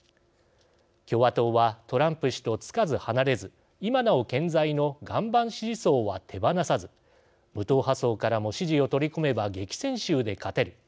共和党はトランプ氏とつかず離れず今なお健在の岩盤支持層は手放さず無党派層からも支持を取り込めば激戦州で勝てる。